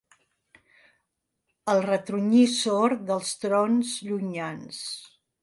El retrunyir sord dels trons llunyans.